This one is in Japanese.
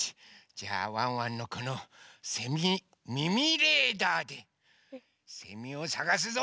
じゃあワンワンのこのせみみみレーダーでせみをさがすぞ！